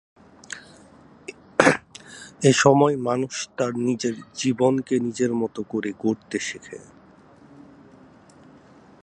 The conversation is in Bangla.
এসময় মানুষ তার নিজের জীবনকে নিজের মতো করে গড়তে শিখে।